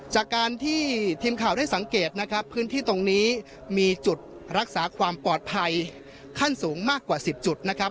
จากการที่ทีมข่าวได้สังเกตนะครับพื้นที่ตรงนี้มีจุดรักษาความปลอดภัยขั้นสูงมากกว่า๑๐จุดนะครับ